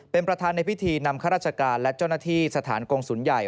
เป็นประธานในพิธีนำข้าราชการและเจ้าหน้าที่สถานกงศูนย์ใหญ่